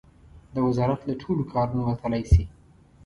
د وزارت له ټولو کارونو وتلای شي.